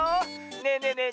ねえねえねえ